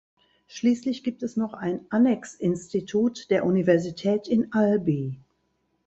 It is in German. Schließlich gibt es noch ein Annex-Institut der Universität in Albi.